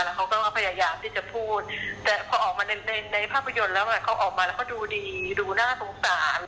แล้วเขาก็พยายามที่จะพูดแต่พอออกมาในในภาพยนตร์แล้วเขาออกมาแล้วเขาดูดีดูน่าสงสาร